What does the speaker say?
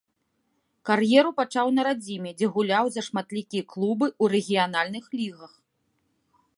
Кар'еру пачаў на радзіме, дзе гуляў за шматлікія клубы ў рэгіянальных лігах.